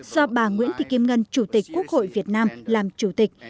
do bà nguyễn thị kim ngân chủ tịch quốc hội việt nam làm chủ tịch